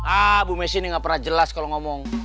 ah bu messi ini nggak pernah jelas kalau ngomong